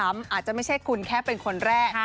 อาจจะไม่ใช่คุณแค่เป็นคนแรก